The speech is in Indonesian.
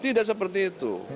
tidak seperti itu